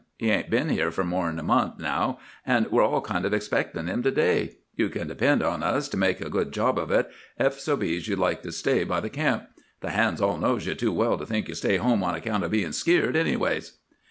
He ain't been here fur more'n a month, now, an' we're all kind of expectin' him to day. You kin depend on us to make a good job of it, ef so be's you'd like to stay by the camp. The hands all knows you too well to think you stay home on account of bein' skeered, anyways!